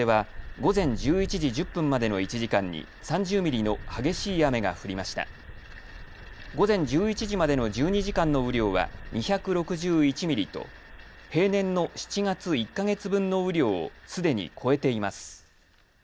午前１１時までの１２時間の雨量は２６１ミリと平年の７月１か月分の雨量をすでに超えています。